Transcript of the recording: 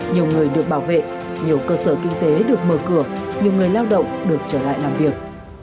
nhiều người được bảo vệ nhiều cơ sở kinh tế được mở cửa nhiều người lao động được trở lại làm việc